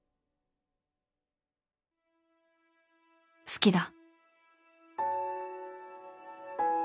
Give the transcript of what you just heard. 好きだ